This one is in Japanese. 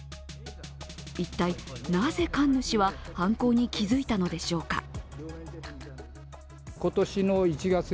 一体なぜ神主は犯行に気付いたのでしょうか。